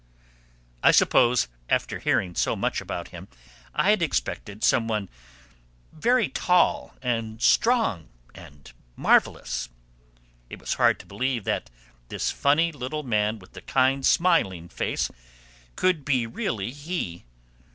I suppose after hearing so much about him I had expected some one very tall and strong and marvelous. It was hard to believe that this funny little man with the kind smiling face could be really he.